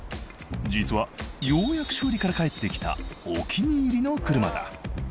実はようやく修理から返ってきたお気に入りの車だ